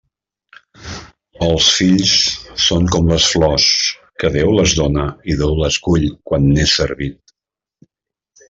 Els fills són com les flors, que Déu les dóna i Déu les cull quan n'és servit.